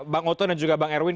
bang oto dan juga bang erwin